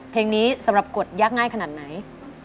เพลงนี้สำหรับกฎยากง่ายขนาดไหน